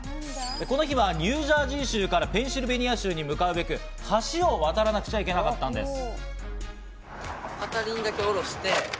この日はニュージャージー州からペンシルベニア州に向かうべく、橋を渡らなければならなかったんです。